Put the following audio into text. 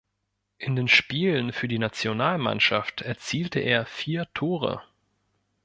In den Spielen für die Nationalmannschaft erzielte er vier Tore.